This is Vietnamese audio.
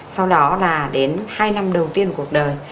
sau đó là đến hai năm đầu tiên của cuộc đời